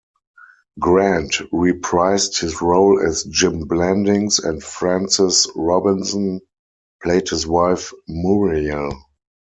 Grant reprised his role as Jim Blandings, and Frances Robinson played his wife Muriel.